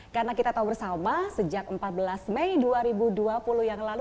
karena kita tahu bersama sejak empat belas mei dua ribu dua puluh yang lalu